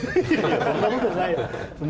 そんなことないよ。